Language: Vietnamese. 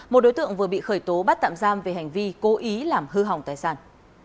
một đối tượng vừa bị khởi tố bắt tạm giam về hành vi cố ý làm hư hỏng tài sản